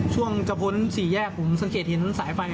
ช่วงจะพ้นสี่แยกผมสังเกตเห็นสายไฟ